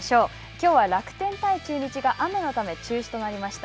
きょうは楽天対中日が雨のため中止となりました。